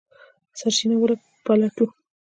سرچینه وپلټو.